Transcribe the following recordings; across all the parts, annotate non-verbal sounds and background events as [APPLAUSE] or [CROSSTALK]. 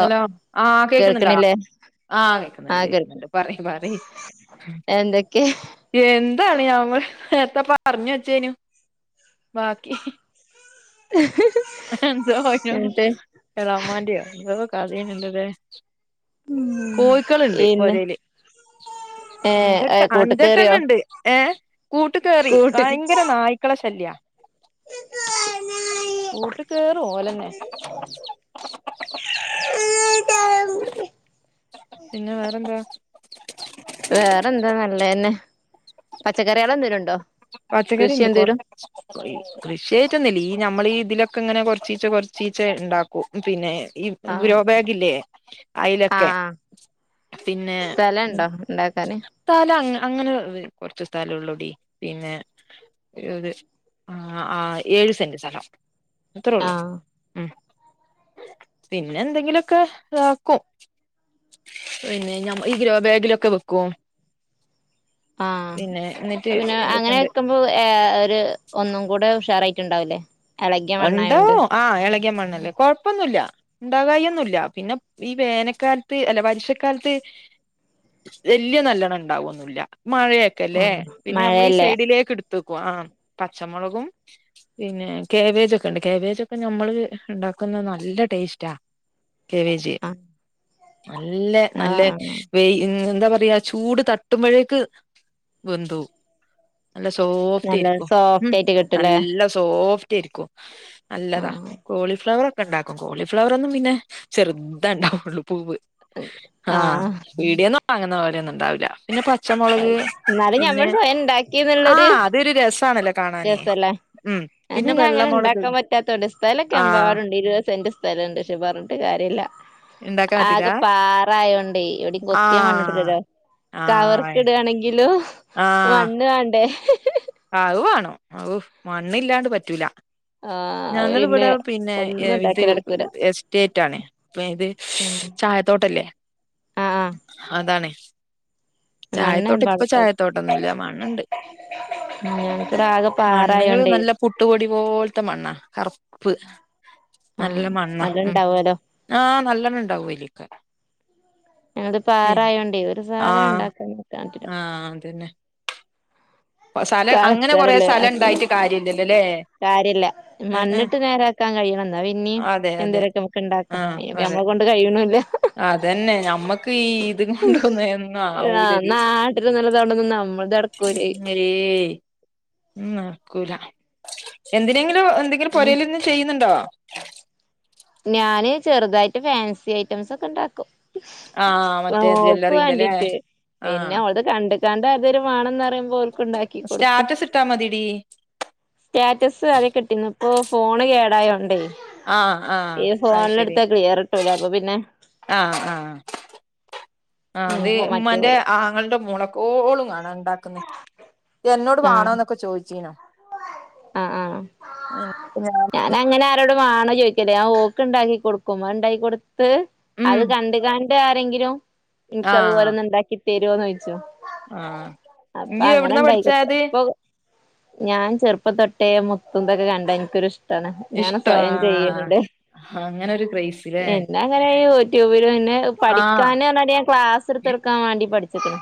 Hello ആ കേക്കുന്ന്ണ്ടാ? കേൾക്കണില്ലേ ആഹ് ആ കേക്ക്ന്ന്ണ്ട് കേൾക്ക കേക്ക്ന്ന്ണ്ട് പറി പറി. എന്തൊക്കെ? എന്താണ്യാ ഞമ്മൾ നേര്ത്താപ്പറഞ്ഞെച്ചേനു ബാക്കി എന്തോ [UNINTELLIGIBLE] എന്നിട്ട് എളാമാന്റ്യോ എന്തോ കഥേനുല്ലലേ? കോയ്ക്കള്ണ്ട് ഇന്ന് പൊരേല് ഏ അഞ്ചെട്ട കൂട്ട് കേറിയോ അഞ്ചെട്ടെണ്ണണ്ട്. ഏ കൂട്ട്കേറി കൂട്ട് ഭയങ്കര നായ്ക്കളെ ശല്യാ. കൂട്ട് കേറോ ഓലെന്നെ? [INAUDIBLE] പിന്നെ വേറെന്താ? വേറെന്താ നല്ലെന്നെ പച്ചക്കറികളെന്തേലുംണ്ടോ കൃഷി എന്തേലും? കൃഷ്യായിട്ടൊന്നും ഇല്ല ഈ നമ്മളീ ഇതിലൊക്കെ ഇങ്ങനെ കൊർച്ചീച്ചെ കൊർച്ചീച്ചെ ഇണ്ടാ കു പിന്നെ ഈ ആ ഗ്രോബാഗില്ലേ ആ അയിലൊക്കെ. പിന്നെ സ്ഥലണ്ടോ ഉണ്ടാക്കാന് തല അങ്ങ അങ്ങനെ വ് കൊർച്ച് സ്ഥലൊളൊടി പിന്നെ ഒര് ആ ആ ഏയ് സെന്റ് സ്ഥലം ആ അത്രള്ളൂ ഉം. പിന്നെ എന്തെങ്കിലൊക്കെ ഇതാക്കും. പിന്നെ ഞ ഈ ഗ്രോബേഗിലൊക്കെ വെക്കും. ആഹ് പിന്നെ എന്നിട്ട് പിന്നെ അങ്ങനെ ഇതൊക്കെണ്ട് വെക്കും അപ്പൊ ഏ ഒര് ഒന്നും കൂടെ ഉഷാറായിട്ട്ണ്ടാവില്ലെ. ഇണ്ടാവും ആ എളക്യാ മണ്ണല്ലേ കൊഴ്പ്പൊന്നുല്ല. ഇണ്ടാകായൊന്നുല്ല്യ പിന്നെ ഈ വേനക്കാൽത്ത് അല്ല വർഷക്കാലത്ത് വല്യ നല്ലണം ഇണ്ടാവൊന്നുല്യ ആ മഴയൊക്കെല്ലേ പിന്നെ അമ്മളീ മഴയല്ലേ സൈഡിലേക്ക് ഇട് ത്തെക്കും ആ പച്ചമുളകും പിന്നെ കേബേജൊക്കെ ഇണ്ട് കേബേജൊക്കെ ഞമ്മള് ഇണ്ടാക്ക്ന്നെ നല്ലടേശ്റ്റാ. കേവേജ് ആ നല്ലെ ആ നല്ലെ ആ വെയി എന്താ പറയാ ചൂട് തട്ട്മ്പഴേക്ക് വെന്തോവും. നല്ല നല്ല സോഫ്‌റ്റേര്ക്കും ഉം സോഫ്റ്റ് ആയിട്ട് കിട്ടൂലേ നല്ല സോഫ്റ്റേര്ക്കും. നല്ലതാ കോളിഫ്ലവർ ഒക്കെ ഇണ്ടാക്കും കോളിഫ്ലവറൊന്നും പിന്നെ ചെർതാണ്ടാവെള്ളൂ പൂവ്. ആഹ് പീട്യേന്ന് വാങ്ങ്ന്ന പോലെയൊന്നും ഇണ്ടാവില്ല. പിന്നെ പച്ചമുളക് എന്നാലും ഞമ്മൾ പിന്നെ സ്വയം ആ ഉണ്ടാക്കിന്നുള്ളൊരു അതൊര് രസാണല്ലേ. കാണാനെ ഉം. ഞാപിന്നെ അങ്ങനെ വെള്ളമുളക് ഇണ്ടാക്കാ പറ്റാത്തോണ്ടേ സ്ഥലൊക്കെ ആഹ് എമ്പാടുണ്ട് ഇരുവെ സെന്റ് സ് സ്ഥലണ്ട് പക്ഷെ പർഞ്ഞിട്ട് കാര്യല്ല. ഉണ്ടാക്കാൻ പറ്റൂല ആകെ പാറായോണ്ടെ എവിടേം കൊത്ത്യാ ആഹ് മണ്ണ്ട്ടൂലല്ലോ. ആഹ് കവർക്ക് ഇടാണെങ്കിലും മണ്ണ് വാണ്ടേ അഅ് വാണം അഉ മണ്ണില്ലാണ്ട് പറ്റൂല ആഹ് പിന്നെ ഞങ്ങള്‌വിടെ പിന്നെ ഒന്നും ഇത് ഉണ്ടാക്കല് നടക്കൂല എസ്റ്റേറ്റ് ആണേ പി ഇത് ആഹ് ചായത്തോട്ടല്ലേ ആഹ് അതാണേ മണ്ണ് ചായത്തോട്ട ഇപ്പ ചായത്തോട്ടൊന്നും ഇല്ല മണ്ണ്ണ്ട് [UNINTELLIGIBLE] ആകം മണ്ണ്ങ്ങള് നല്ല പുട്ടുപൊടി പോൽത്ത മണ്ണാ കറ് ഉപ്പ് ആഹ് നല്ല മണ്ണാ നല്ലോം ഉം ഉണ്ടാവോലോ ആഹ് നല്ലെണ്ണം ഇണ്ടാവൊയ്ല് [UNINTELLIGIBLE] ഞങ്ങൾത് പിൻ പാറായോണ്ടേ ഒരു സാധനം ആഹ് ഉണ്ടാക്കാൻ നോക്കാൻ പറ്റില്ല ആഹ് അതന്നെ സ്ഥലം അങ്ങനെ കൊറെ കളച്ചാലല്ലേ സ്ഥലം ഒക്കെ ഇണ്ടായിട്ട് കാര്യല്ലല്ലല്ലേ കാര്യല്ല മണ്ണ്ട്ട് നേരാക്കാൻ കഴിയണം ന്നാ പിന്നിം അതെ അതെ എന്തേലൊക്കെ നമുക്ക് ഇണ്ടാക്കാ ആഹ് അയ്ന്‌പ്പ അതെ. നമ്മളെ കോൺ ഇത് കയ്യ്ണുല്ലാ അതന്നെ ഞമ്മക്ക് ഈ ഇത് കൊണ്ടൊന്നും എന്നും ആഹ് ആവൂലടി ന്നാട്ടര്തും നല്ലതവടെന്ന്ന്നാ അമ്മള്തെട് കൊരയ് രേയ് ഉം നട്ക്കൂല എന്തിനെങ്കിലും എന്തെങ്കിലും പിന്നെ പൊരേല് ഇർന്ന് ചെയ്യുന്നുണ്ടോ ഞാന് ചെറ്തായിട്ട് ഫാൻസി ഐറ്റംസ് ഒക്കെ ഇണ്ടാക്കും ആഹ് മറ്റേ മോക്ക് ജ്വല്ലറിന്റെല്ലേ വാണ്ടീട്ട് ആഹ് പിന്നെ ഓൾത് കണ്ട്കാണ്ട് അതരു വാണംന്ന്റയുമ്പോ ഓൽക്കും ഉണ്ടാക്കി കൊടുക് സ്റ്റാറ്റസ് ഇട്ടാ മതെടീ സ്റ്റാറ്റസ് ആദ്യക്കെ ഇട്ടിന്നു ഇപ്പോ ഫോണ് കേടായോണ്ടേ ആഹ് ആഹ് ഈ അഅ് ശരി ഫോണിലെടുത്താ ക്ലിയർ കിട്ടൂല അപ്പൊ പിന്നെ ആഹ് ആഹ് ആഹ് അത് ഇനിപ്പോ മറ്റേ ഉമ്മാന്റെ ആങ്ങൾന്റെ മോളകെ ഓളും കാണാ ഇണ്ടാക്കുന്നെ എന്നോട് വാണോ ന്നൊക്കെ ചോയ്ച്ചീനു അഹ് ആഹ് ഞാൻ ഞാനങ്ങനെ ഇന്നോട് വാണോ ചോയ്ക്കലെ ആ ഓക്ക് ഇണ്ടാക്കി കൊടുക്കും അഅ്ഇണ്ടാക്കി കൊടുത്ത് ഉം അത് കണ്ട്കാണ്ട് താരെങ്കിലും ആഹ് എനിക്കതുപോലാെന്ന് ഇണ്ടാക്കി തരോന്നോയ്ച്ചും ആഹ് അപ്പ ഇയ്യ് അങ്ങനെ എവിടുന്നാ ഇണ്ടായ്ക്കാെട്ത്ത് പഠിച്ചാത് പോക് ഞാൻ ചെറുപ്പ തൊട്ടേ മുത്തും തൊക്കെ കണ്ടാ ഇൻക്കൊരു ഇഷ്ട് ട്ടാണ് ഞാന് ഇഷ്ടാ സ്വയം ചെയ്യല്ണ്ടെ ആഹ് അങ്ങനൊരു ക്രൈസ് ല്ലേ [INAUDIBLE] എൻ ന്നെ അങ്ങനെ യൂട്യൂബിലും പിന്നെ പഠിക്കാന്‌ ആഹ് ന്നർഞ്ഞാല് ക്ലാസ് സ്ർക്കാൻ വാണ്ടി പഠിച്ചിക്ക്ണ്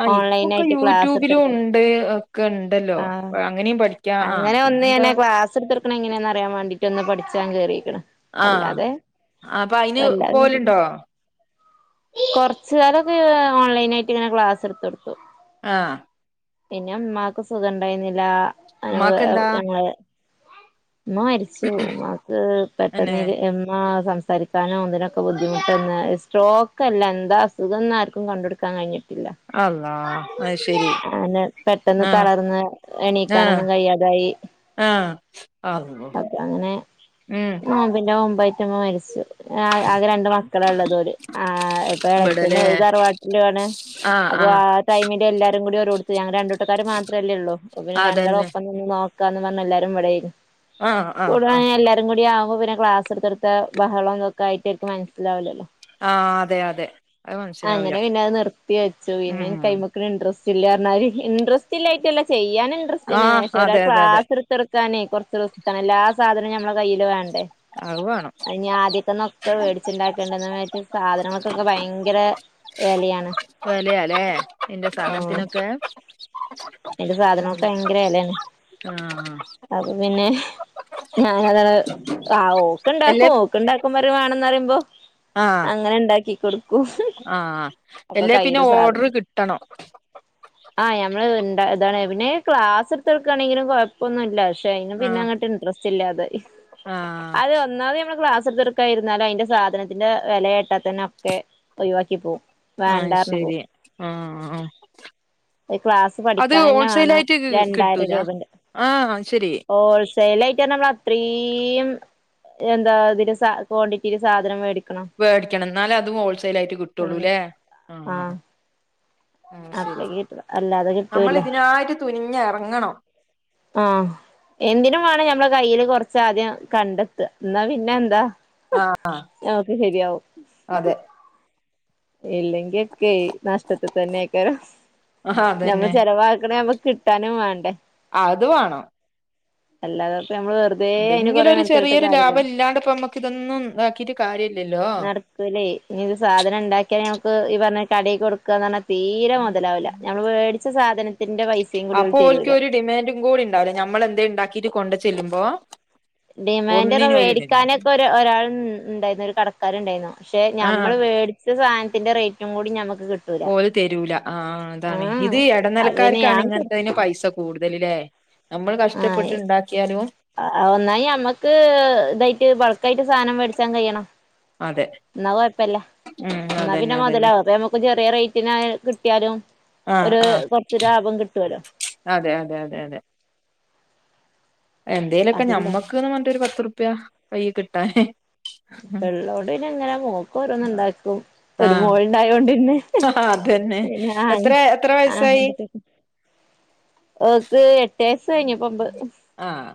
ആഹ് ഇപ്പൊക്കെ യൂട്യൂബിലും ഇണ്ട് ഒക്കെ ഇണ്ട് ണ്ടല്ലോ ആഹ് പ്പഅങ്ങനിം പഠിക്കാ ആഹ് പിന്നെന്താ ക്ലാസ്ട്ത്തൊട്ക്കാ ണ എങ്ങനെന്ന്അറിയാൻ വേണ്ടീട്ട് ഒന്ന് പഠ്ച്ചാൻ കേറീക്ക്ണ് ആഹ് അല്ലാതെ അപ്പൊ അയിന് വല്ലാതെ പോവലുണ്ടോ [UNINTELLIGIBLE] കാെറച്ച്കാലൊക്കെ ഓൺലൈൻ ആയിട്ട് ഇങ്ങനെ ക്ലാസ് ഇട്ത്താെട്ത്തു ആഹ് പിന്നെ ഇമ്മാക്ക് സുഖം ഇണ്ടായിന്നില്ല അന [UNINTELLIGIBLE] ഉമ്മാക്കെന്താ ഇമ്മ മരിച്ചു മ്മാക്ക് പെട്ടെന്ന് അന്നെ എര് എമ്മാ സംസ് സരിക്കാനോ ഇതിനൊക്കെ ബുദ്ധിമുട്ടന്ന് സ്ട്രോക്ക് അല്ല എന്താഅസുഖം ന്നാർക്കും കണ്ടുട്ക്കാൻ കഴിഞ്ഞ്ട്ട് ഇല്ല അള്ളാ അത് ശരി അങ്ങനെ പെട്ടെന്ന് ആഹ് തളർന്ന് ആഹ് എണീക്കാനൊന്നും കയ്യാതായി ആഹ് അള്ളോ [INAUDIBLE] അപ്പൊ അങ്ങനെ ഉം നോമ്പിന്റെ മുമ്പായിട്ട്മ്മ മരിച്ചു ആഹ് ആകെ രണ്ട് മക്കളാ ഇള്ളതോര് ആഹ് ഇപ്പൊ എളച്ചഛന് ഇബടല്ലേ ഓല് തറവാട്ടിലോണ് ആഹ് ആഹ് ടൈമില് എല്ലാരും കൂടി ഒരോട്ത്ത് ഞങ്ങള് രണ്ടൂട്ടക്കാര് മാത്രേല്ലേള്ളൂ പിന്നെ രണ്ടാളും അതന്നെ ഒപ്പം ന്ന്ക്ക് ഉം നോക്കാന്നും പറഞ് എല്ലാരും ഇവടേനി. ആഹ് ആഹ് ആഹ് കൂടാണെ എല്ലാരും കൂടിയാവുമ്പം പിന്നെ ക്ലാസ് സെട്ത്തെട്ത്ത് ബഹളം ഇതൊക്കായിട്ട് ഓൽക്ക് മനസ്സിലാവൂല്ലല്ലോ. ആഹ് അതെ അതെ അത് മനസ്സിലാവൂല അങ്ങനെ പിന്നെ അത് നിർത്തി വെച്ചു പിന്നെഇന്ക് ഉം കൈമ ഇൻട്രാസ്റ്റ് ഇല്ലറഞ്ഞാൽ ഇൻട്രാസ്റ്റ് ഇല്ലായിറ്റല്ല ചെയ്യാനൻ ഇൻട്രസ്റ്റ് ആഹ് പക്ഷേ ഒരാൾ അതെ അതെ അതെ ക്ലാസ് എടുക്കാനേ കുറച്ച് റിസ്ക്കണ് എല്ലാ സാധനവും നഞമ്മുടെ കയ്യിൽ വേണം. അത് വേണം അയിഞി ആദ്യക്കന്ന ഒക്കെ മേടിച്ചുണ്ടാക്കണ്ടന്ന്ണ്ട് മറ്റേ സാധനങ്ങൾക്കൊക്കെ ഭയങ്കര വെലയാണ്. വെല ല്ലേ ഇതിന്റെ ഉം സാധനത്തിനൊക്കെ? അയിന്റെ സാധനങ്ങൾക്കൊക്കെ ഉം ഭയങ്കര വിലയാണ്. ആഹ് അപ്പൊ പിന്നെ ഞാൻ അതാണങ്ങ് ആ ഓക്ക എല്ലേ ഇണ്ടാക്കും. രണ്ടാകും പര വണന്ന് പ പറയുമ്പോ അങ്ങനെ ഉണ്ടാക്കികൊടുകും ആഹ അല്ലേ പിന്നെ ഓർഡ്രെ സാധനം കിട്ടണം. ആഹ് ഞമ്മള് ഉണ്ടാക്കി പിന്നെ ക്ലാസ് എടുത്ത്ടുക്കാണെങ്കിലും ഒന്നൂല്ല പക്ഷെ അയിന് പിന്നെ ആഹ് ഇങ്ങട്ട് ഇൻട്രറ്രസ്റ്റ് ഇല്ലാതായി. ആഹ് അത് ഒന്നാമത് നമ്മള് ക്ലാസ് എടുത്ത് ട്ട ക്കെ ഇരുന്നാലും അയിന്റെ സാധനത്തിന്റെ വെല കേട്ട തന്നെ ഒക്കെ ഒഴിവാക്കി പോവും. വേണ്ട ആഹ് പറഞ്ഞ് ശരി പോവും ആഹ് ആഹ് ക്ലാസ് പഠിക്ക അത് അയന്നെ ഹോൾസെയിൽ വേണം ആയിട്ട് രണ്ടായിരം കിട്ടൂല രൂപന്റെ ആഹ് ശരി ഓൾസ് സെയിൽ ആയിട്ട് നമ്മള് അത്രിം എന്താ ഇതില് ക്വാണ്ടിറ്റിയില് സാധനം മേടിക്ക വേടിക്കണം ന്നാലെ അതും ഹോൾസെൽ ആയിട്ട് ഉം കിട്ടുള്ളൂല്ലേ? ആഹാ ആഹ് ആഹാ ശെരി അപ്പളേക്ക് കിട്ടൂല അല്ലാതെ നമ്മള് കിട്ടൂല്ല ഇതിനായിട്ട് തുനിഞ്ഞ് യറങ്ങണം. ആഹ എന്തിനു വേണം ഞമ്മള കയ്യില് കൊറച്ചാദ്യം കണ്ടെത്ത എന്നാ പിന്നെ എന്താ ആഹ് ഹേ ഓക്കെ ശെരിയാവും. അതെ. ഇല്ലെങ്കി ഒക്കെ നഷ്ടത്തിൽ തന്നെ ആക്കാരം ആഹ് നമ്മൾ അതന്നെ ചെിലവാക്കണ നമ്മക്ക് കിട്ട് തനും വേണ്ടേ? അത് വാണം. അല്ലാതെ പ നമ്മള് വെർ എന്തെങ്കിലും ഒരു ചെറിയൊരു ലാഭം ഇല്ലാണ്ട്പ്പോ നമ്മുക്ക ഇതൊന്നും ഇൻണ്ടാക്കിട്ട് കാര്യ ഇല്ലല്ലോ.? പ്ല്ലേ ഇനിത് സാധനം ണ്ടാക്കിയാ നമക്ക് ഈ പറഞ്ഞ കടയി കൊട്ക്ക പറഞ്ഞാല്തീരെ മുതലാവൂല്ല. നമ്മള് മേടിച്ച സാധനം അപ്പൊ ഓൽക്ക് ഒരു ഡിമാൻഡും കൂടി ഉണ്ടാവില്ല നമ്മള് എന്തേലും ണ്ടാക്കീട്ട് കൊണ്ട് ചെല്ലുമ്പോ ഡിമാൻഡ് ഒന്നിനും ഒരു ഡിമാൻഡ് മേടിക്കാനൊക്കെ ഒ ഒരാൾ ഉണ്ടായിരുന്നു ഒരു കടക്കാർ ഉണ്ടായിരുന്നു ക്ഷെ ആഹ് നമ്മള് മേടിച്ച സാധനത്തിന്റെ റേറ്റും കൂടി നമ്മുക്ക് കിട്ടും. ഓല് തരൂല ആ അതാണ് ഇത് അപ്പൊ പിന്നെ ഇടനിലക്കാർക്കാണ് ഞാൻ കൊടു ഇങ്ങനത്തെതിന് പൈസ കൂടുതല് ല്ലേ? നമ്മള് കഷ്ടപ്പെട്ട് ആഹ് ണ്ടാക്കിയാലും. ഒന്നായി ഞമ്മക്ക് ഇതായിട്ട് പള്ക്കായിട്ട് സാധനം മേടിച്ചാൻ കഴിയണം. അതെ ന്നാ കുഴപ്പല്ല ഉം ന്നാ അതന്നെ പിന്നെ അതന്നെ മുതലാവും അപ്പോ നമുക്ക് ചെറിയ റേറ്റിന് കിട്ടിയാലും ആഹ് ഒരു ആഹ് കുറച്ച് ലാഭം കിട്ടുവല്ലോ.? അതെ അതെ അതെ അതെ. എന്തേലൊക്കെ അതില്ല ഞമ്മക്ക്ന്ന് പറഞ്ഞിട്ട് ഒരു പത്ത്റുപ്യ കൈ കിട്ടാനേ പ ള്ളോണ്ട്ന്നെ ങ്ങനെ മോക്ക് ഓരോന്ന് ഇണ്ടാക്കും ഒരു മോള് ണ്ടായൊണ്ട് പിന്നെ - - - - ആ അത് തന്നെ എത്ര എത്ര വയസായി? ഓൾക്ക് എട്ട് വയസ് കഴിഞ്ഞ് പ്പൊഒമ്പ്. ആഹ.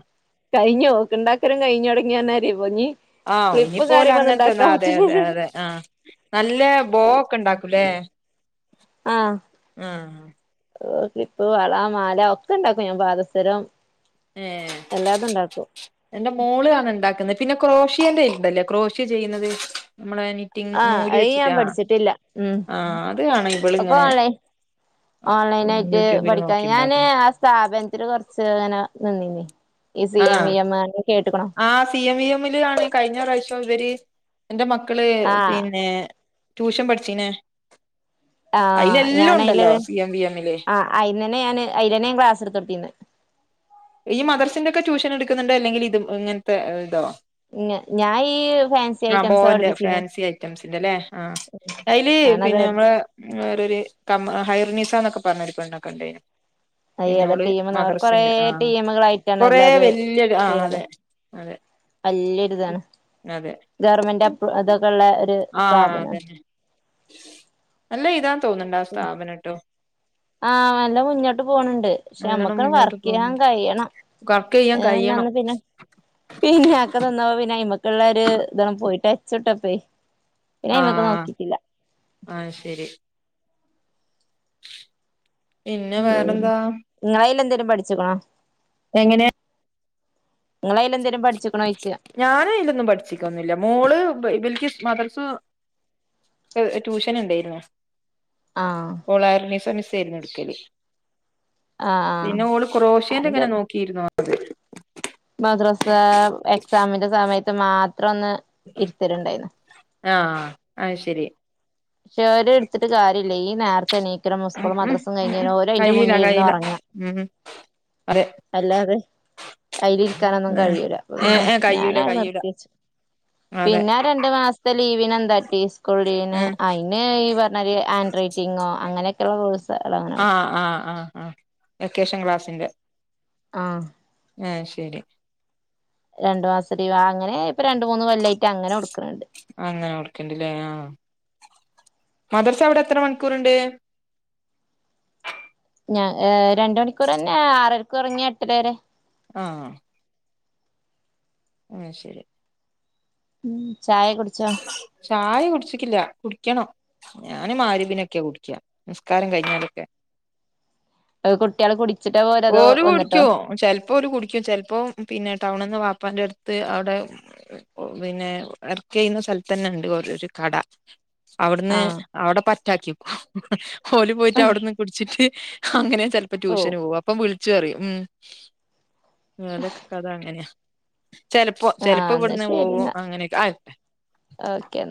കഴിഞ്ഞോ ക്ണ്ടാക്കലും കഴിഞൊടങ്ങി പർഞ്ഞാതിര്യാവോ ഞ്ഞ്. ആഹ ഇനി പോലെ അങ്ങനത്തെന്നാ അതെ അതെ അതെ ആഹ നല്ല ബോ ഒക്കെ ഉണ്ടാക്കൂല്ലേ? ആഹ ഓകിപ്പ വള മാല ഒക്കെണ്ടാക്കും ഞാൻ പാതസരം. ഏഹ് എല്ലാതുംണ്ടാക്കും. എന്റെ മോള് ആണ് ഇണ്ടാക്കുന്നെ. പിന്നെ ക്രോഷിയേന്റെ ഇണ്ടല്ലേ ക്രോഷി ചെയ്യുന്നത് നമ്മള്നി ആഹ് അയിഞാ പഠിച്ചിട്ടില്ല ഉം ആ അത് ആണ് ഒക്കെ ഇവളിങ്ങനെ ഓൺലൈ ഓൺലൈനായിട്ട് യൂട്യൂബിൽ പഠിക്കാ നോക്കി ഞാന് ഉണ്ടാക്കുന്നു സ്ഥാപനത്തില് കൊറച്ച് അങ്ങനെ നിന്നീനി ഇ സി എം വി എംകാർടെ കേട്ടുക്കണു ആഹ് സി എം ഇ എംൽ ആണ് കഴിഞ്ഞ പ്രാശോം ഇവര് എന്റെ മക്കള് ആഹ് പിന്നെ ട്യൂഷൻ പഠിച്ചീനെ ആഹ് അയിലെല്ലാം ഉണ്ടല്ലോ സി എം വി എംല് അയീന്നന്നെ ഞാന് അയിലെന്നെ ഞാന് ക്ലാസ് എടുത്തൊടുത്തീന്ന് ഇയ്യ് മദ്രസിന്റെ ഒക്കെ ട്യൂഷൻ എടുക്കുന്നുണ്ടൊ അല്ലെങ്കിൽ ഇതും ഇങ്ങനത്തെ ഇതോ ഞാൻ ഈ ഫാൻസി ആഹ് ഐറ്റംസാ ബോന്റെ പഠിപ്പിച്ചീന്ന് ഫാൻസി ഐറ്റംസിന്റെല്ലേ ആഹ് അയില് ഞാനത് പിന്നെ നമ്മള് വേറൊരി ക ഹൈർണീസന്നൊക്കെ പറഞ്ഞൊരിപെണ്ണെ കണ്ടീന് ആ ഏത ടീമന്ന് അവർകൊറേ ആഹ് കൊറേ ടീമുകളായിട്ടാണല്ലത് വല്യൊരു ആഹ് ചെയ്യണത്. അതെ അതെ വല്യൊരിതാണ് അതെ ഗവർമെന്റ് അപ്രു അതൊക്കെള്ള ഒരു ആഹ് സ്ഥാപന അതന്നെ നല്ല ഇതാ തോന്നണ്ട ആ സ്ഥാപനട്ടോ ആഹ് നല്ല മുന്നോട്ട് പോണിണ്ട് പക്ഷെ നല്ലോണം നമ്മക്ക മുന്നോട്ട് വർക്കെയ്യാൻ പോകുന്നുണ്ട് കയിയണം വർക്ക് ചെയ്യാൻ കഴിയണം ഒന്ന് പിന്നെ പിന്നെ ആക്കെ നന്നാപിന്നെ അയ്മക്കള്ളൊരു ഇതണ് പോയിട്ട് ടച്ചൂടപ്പേ ആഹ് ആഹ് ശരി പിന്നെ വേറെന്താ ഇങ്ങള് അയില് എന്തേലും പഠിച്ചിക്കണോ എങ്ങനാ ഇങ്ങൾ അയിലെന്തേലു പഠിച്ചിക്കണോയ്ച്ചയ ഞാന് അയ്ലൊന്നും പഠിച്ചിക്കൊന്നുല്ല മോള് ഇവൽക്ക് മദ്രസ ഏഹ് ട്യൂഷനൊണ്ടേയ്നു ആഹ് ഓള് [UNINTELLIGIBLE] മിസ് ആയിരുന്നു എടുക്കല് ആഹ് ആഹ് പിന്നെ ഓള് അത് ക്രോഷ്യന്റിങ്ങനെ ചെറുത് നോക്കിയിരുന്നു മദ്രസ എക്സാമിന്റെ സമയത്ത് മാത്രം ഒന്ന് ഇരുത്തലുണ്ടാരുന്നു ആഹ് അയ്ശരി [UNINTELLIGIBLE] എടുത്തിട്ട് കാര്യല്ല ഈ നേരത്തെണീ ക്രമ ഉം സ്കൂളും ഉം മദ്രാസും ഉം കഴിഞ്ഞരു ഉം ഓരോ അയിന്റെ കഴിയില്ല മുന്നീര്ന്ന് കഴിയില്ല ഒറങ്ങ ഉം അതെ അല്ലാതെ അയ്ൽ ഇരിക്കാനൊന്നും ഏഹ് കഴിയൂല ഏ പിന്നെ ഏ കയ്യൂല ഞാനാത് കയ്യൂല നിർത്തച്ചു അതെ പിന്നാ രണ്ടു മാസത്തെ ലീവിന് എന്താട്ടി സ്കൂൾ ലീവിന് ഏ പിന്നെ ഈ പറഞ്ഞാതി ഹാൻഡ് റൈറ്റിങ്ങോ അങ്ങനൊക്കെള്ള കോഴ്സ് ആഹ് ആഹ് ആഹ് ആഹ് വെക്കേഷൻ ക്ലാസിന്റെ ആഹ് ആഹ് ശരി രണ്ടു മാസത്തെ അങ്ങനെ ഇപ്പൊ രണ്ട് മൂന്ന് കൊല്ലായ്ട്ട് അങ്ങനെ കൊടുക്കണണ്ട് അങ്ങനെ കൊട്ക്കണ്ടില്ലേ ആഹ് മദർസ അവടെ എത്ര മണിക്കൂറ്ണ്ട് ഞാ ഏഹ് രണ്ടണിക്കൂറന്നെ ആറരക്ക് തൊടങ്ങിയ എട്ടര വരെ ആഹ് ആഹ് ശരി ഉം ചായ കുടിച്ചോ ചായ കുടിച്ചിക്കില്ല കുടിക്കണം ഞാന് മഹ്രിബിനൊക്കെയ കുടിക്കാ നിസ്കാരം കഴിഞ്ഞാലൊക്കെ കുട്ട്യാള് കുടിച്ചിട്ട പോരതോ വന്നിട്ടോ ചെലപ്പൊ ഓല് കുടിക്കും ചെലപ്പോ പിന്നെ ടൗണിന്ന് വാപ്പാന്റെ അടുത്ത് അവടെ പിന്നെ എർ കെയ്യുന്ന സ്ഥലത്ത് തന്നെണ്ട് ഓരൊരു കട അവിടുന്ന് ആഹ് അവിടെ പറ്റാക്കി ഓല് പോയിട്ട് അവിട്ന്ന് കുടിച്ചിട്ട് അങ്ങനെ ചെലപ്പൊ ഓ ട്യൂഷന് പോം അപ്പൊ വിളിച്ചു പറയു ഉം ഒക്കെ കഥ അങ്ങനെയാ ചെലപ്പോ ആഹ് ചെലപ്പോ എന്നാ ഇവിടുന്ന് ശരി പോകോ എന്നാ അങ്ങനെയൊക്കെ ആയ്. ഓക്കെ എന്നാ